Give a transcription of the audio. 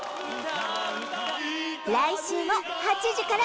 来週も８時から！